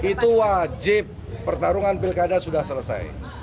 itu wajib pertarungan pilkada sudah selesai